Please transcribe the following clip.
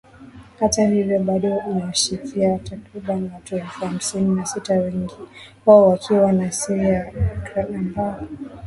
Hata hivyo bado inawashikilia takribani watu elfu hamsini na sita wengi wao wakiwa wa Syria na wa Iraq, ambao